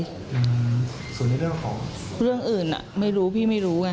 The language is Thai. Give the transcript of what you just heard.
อืมส่วนในเรื่องของเรื่องอื่นอ่ะไม่รู้พี่ไม่รู้ไง